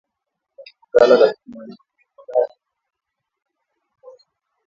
Kulala katika maeneo walipolala wanyama wagonjwa wa ukurutu